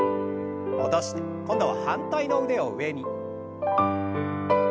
戻して今度は反対の腕を上に。